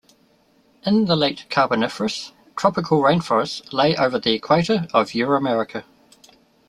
In the Late Carboniferous, tropical rainforests lay over the equator of Euramerica.